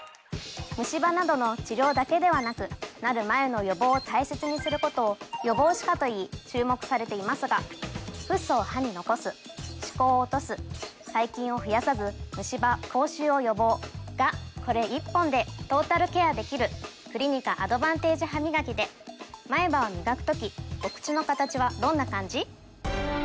ムシ歯などの治療だけではなくなる前の予防を大切にすることを予防歯科と言い注目されていますがフッ素を歯に残す歯垢を落とす細菌を増やさずムシ歯口臭を予防がこれ１本でトータルケアできるクリニカアドバンテージハミガキで前歯をみがく時お口の形はどんな感じ？